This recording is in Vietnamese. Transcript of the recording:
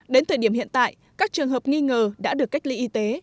đến thời điểm hiện tại các trường hợp nghi ngờ đã được cách ly y tế